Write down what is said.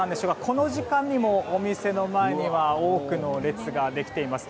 この時間にもお店の前には多くの列ができています。